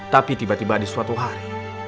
tapi tiba tiba di suatu hari